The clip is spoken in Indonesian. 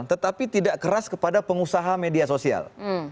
tetapi tidak keras kepada pengusaha media sosial